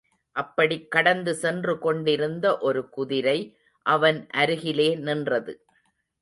அப்படிக் கடந்து சென்று கொண்டிருந்த ஒரு குதிரை அவன் அருகிலே நின்றது.